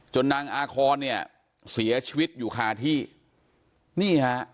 นางอาคอนเนี่ยเสียชีวิตอยู่คาที่นี่ฮะ